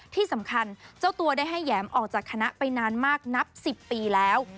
ที่สำคัญเจ้าตัวได้ให้แหยมออกจากคณะไปนานมากนับ๑๐ปีแล้ว